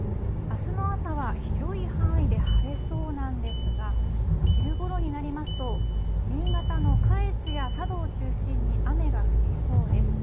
あすの朝は広い範囲で晴れそうなんですが、昼ごろになりますと、新潟の下越や佐渡を中心に雨が降りそうです。